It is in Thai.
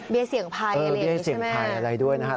เบี้ยเสี่ยงภายอะไรอย่างนี้ใช่ไหมโอ้โหเบี้ยเสี่ยงภายอะไรด้วยนะครับ